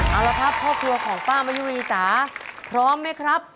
เอาละครับครอบครัวของป้ามะยุรีจ๋าพร้อมไหมครับ